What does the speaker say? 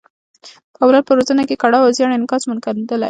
په اولاد په روزنه کې یې کړاو او زیار انعکاس موندلی.